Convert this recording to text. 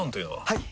はい！